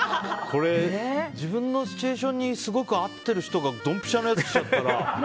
これ自分のシチュエーションにすごく合ってる人がどんぴしゃなやつ来ちゃったら。